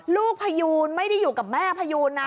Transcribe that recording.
พยูนไม่ได้อยู่กับแม่พยูนนะ